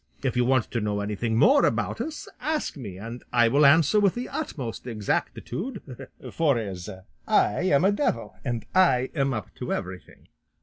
If you want to know anything more about us, ask me and I will answer with the utmost exactitude, for as I am a devil I am up to everything."